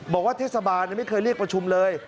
บอกว่าเทศบาลไม่เคยเรียกประชุมเลย